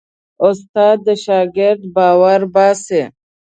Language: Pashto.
استاد د شاګرد باور باسي.